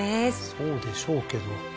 そうでしょうけど。